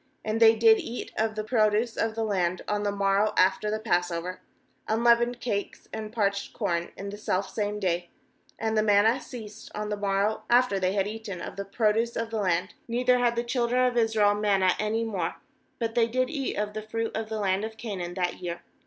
uAnd they did eat of the produce of the land on the morrow after the passover, unleavened cakes and parched corn, in the selfsame day. ^And the mnmm ceased on the mor row, after they had eaten of the produce of the land; neither had the * That is, The hill of the foreskins. b That is, Rotting. 5.12 JOSHUA children of Israel manna any more; but they did eat of the fruit of the land of Canaan that year.